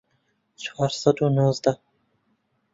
چوار سەد و نۆزدە